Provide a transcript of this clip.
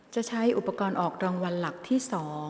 จะใช้อุปกรณ์ออกรางวัลหลักที่๒